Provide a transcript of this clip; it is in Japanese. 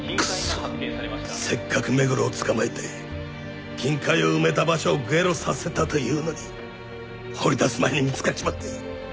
せっかく目黒を捕まえて金塊を埋めた場所をゲロさせたというのに掘り出す前に見つかっちまって。